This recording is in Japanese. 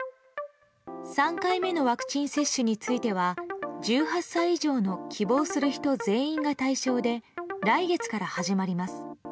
３回目のワクチン接種については１８歳以上の希望する人全員が対象で来月から始まります。